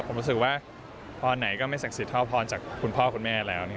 ผมรู้สึกว่าพรไหนก็ไม่ศักดิ์สิทธิเท่าพรจากคุณพ่อคุณแม่แล้ว